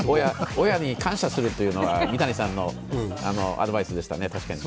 親に感謝するというのは三谷さんのアドバイスでしたね。